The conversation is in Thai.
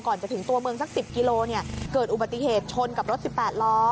จะถึงตัวเมืองสัก๑๐กิโลเกิดอุบัติเหตุชนกับรถ๑๘ล้อ